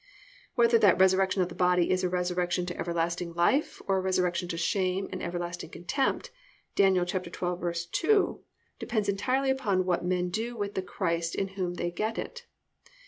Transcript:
Whether that resurrection of the body is a resurrection to everlasting life or a resurrection to shame and everlasting contempt (Dan. 12:2) depends entirely upon what men do with the Christ in whom they get it.